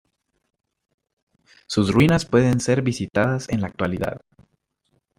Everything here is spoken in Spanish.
Sus ruinas pueden ser visitadas en la actualidad.